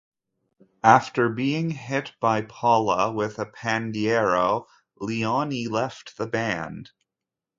After being hit by Paula with a pandeiro, Leoni left the band.